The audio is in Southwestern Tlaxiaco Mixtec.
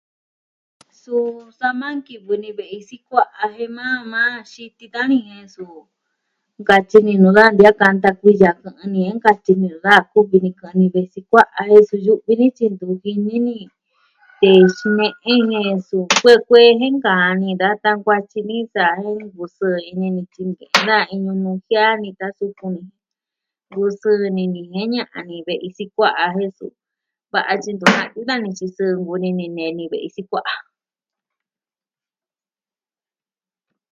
Suu sa maa nkivɨ ni ve'i sikua'a jen ma maa xititan ni jen suu nkatyi ni nuu dajan ntia'an nkanta kuiya kɨ'ɨn ni nkatyi ni dajan a kuvi ni kɨ'ɨn ni ve'i sikua'a jen so yu'vi ni tyi ntu jini ni tee xine'en jen suu kuee kuee jen nkaan ni da ta'a n kuatyi ni sa jen nkusɨɨ ini tyi nke'en daja iin ñunu jiaa nita sukun ni nkusɨɨ ini ni jen ña'an ni ve'i sikua'a e su va'a tyi ntu na'yu tan ni tyi sɨɨ nkuvi ini ni nee ni ve'i sikua'a.